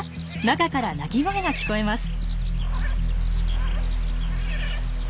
中から鳴き声が聞こえます。